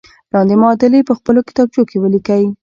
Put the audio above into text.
لاندې معادلې په خپلو کتابچو کې ولیکئ.